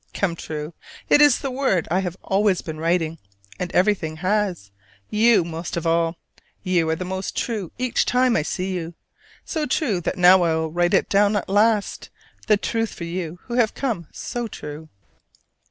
"Come true": it is the word I have always been writing, and everything has: you most of all! You are more true each time I see you. So true that now I will write it down at last, the truth for you who have come so true.